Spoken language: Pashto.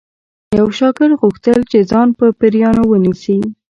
یو شاګرد غوښتل چې ځان په پیریانو ونیسي